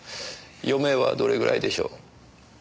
余命はどれぐらいでしょう？